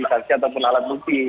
sebenarnya itu hasilnya seperti itu